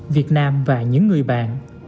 việt nam và những người bạn